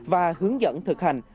và hướng dẫn thực hành